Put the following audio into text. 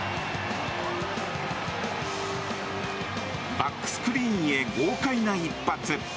バックスクリーンへ豪快な一発。